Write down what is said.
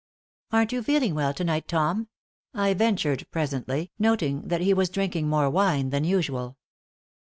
"Aren't you feeling well to night, Tom?" I ventured presently, noting that he was drinking more wine than usual.